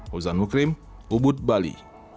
huzan mukrim ubud bali